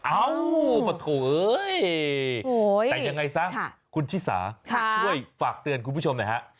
เอ้าปะโถเอ้ยแต่ยังไงซะคุณชิสาช่วยฝากเตือนคุณผู้ชมหน่อยฮะ